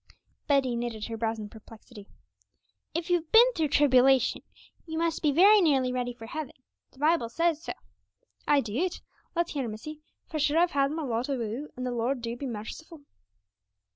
Betty knitted her brows in perplexity. 'If you've been through tribulation, you must be very nearly ready for heaven the Bible says so.' 'Ay, do it? Let's hear, missy; for sure I've had my lot o' woe, and the Lord do be marciful!'